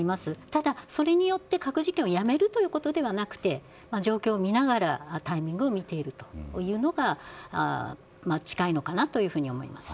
ただ、それによって核実験をやめるということではなくて状況を見ながらタイミングを見ているというのが近いのかなというふうに思います。